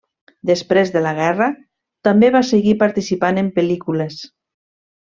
Després de la guerra, també va seguir participant en pel·lícules.